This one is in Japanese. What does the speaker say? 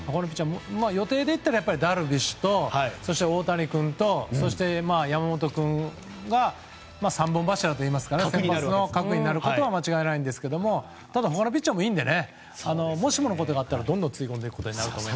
予定でいったらダルビッシュと大谷君とそして山本君が三本柱といいますか先発の核になることは間違いないんですけど他のピッチャーもいいんでもしものことがあったらどんどんつぎ込んでいくことになると思います。